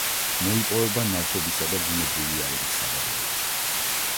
მოიპოვება ნავთობისა და ბუნებრივი აირის საბადოები.